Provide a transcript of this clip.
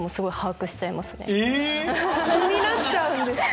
気になっちゃうんですか？